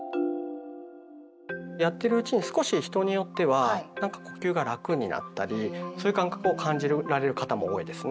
やってるうちに少し人によってはなんか呼吸が楽になったりそういう感覚を感じられる方も多いですね。